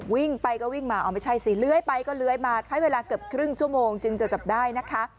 วิ่งไปก็วิ่งมาเอาไม่ใช่สิเลื้อยไปก็เลื้อยมาใช้เวลาเกือบครึ่งชั่วโมงจึงจะจับได้นะคะ